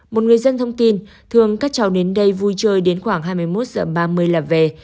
một người dân thông tin thường các cháu đến đây vui chơi đến khoảng hai mươi một h ba mươi là về